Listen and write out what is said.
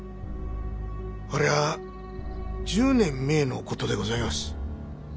ありゃ１０年前の事でございます。